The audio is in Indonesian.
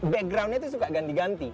backgroundnya itu suka ganti ganti